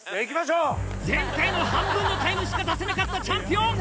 前回の半分のタイムしか出せなかったチャンピオン！